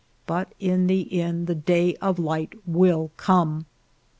But in the end the day of light will come.